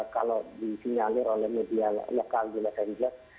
kalau disinyalir oleh media lokal di los angeles